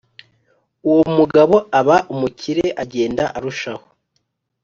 Uwo mugabo aba umukire agenda arushaho